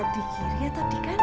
di kiri atau di kanan